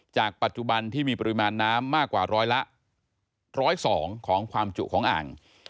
ปัจจุบันที่มีปริมาณน้ำมากกว่าร้อยละ๑๐๒ของความจุของอ่าง